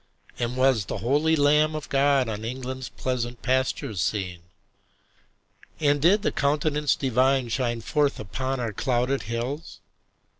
And was the holy Lamb of God On England's pleasant pastures seen? And did the Countenance Divine Shine forth upon our clouded hills?